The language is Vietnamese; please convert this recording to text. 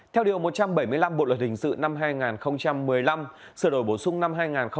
theo điều một trăm bảy mươi năm bộ luật hình sự năm hai nghìn một mươi năm sửa đổi bổ sung năm hai nghìn một mươi bảy